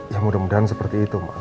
ya mudah mudahan seperti itu mbak